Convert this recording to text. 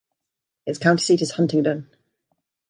Its county seat is Huntington.